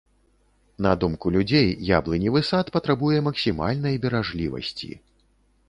На думку людзей, яблыневы сад патрабуе максімальнай беражлівасці.